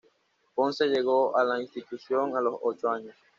Ponce llegó a la institución a los ocho años.